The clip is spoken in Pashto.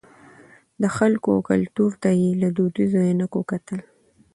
د خلکو او کلتور ته یې له دودیزو عینکو کتل.